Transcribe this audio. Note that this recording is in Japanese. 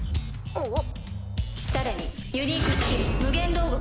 おっ？